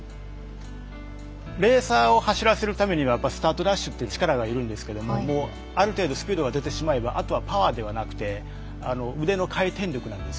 レーサーを走らせるためにはスタートダッシュ力がいるんですけれどある程度スピードが出てしまえばあとはパワーではなくて腕の回転力なんです。